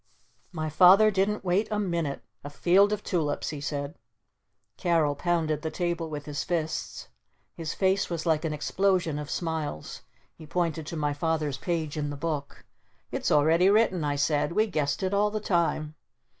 My Father didn't wait a minute. "A Field of Tulips!" he said. Carol pounded the table with his fists. His face was like an explosion of smiles. He pointed to my Father's page in the Book. "It's already written!" I said. "We guessed it all the time!"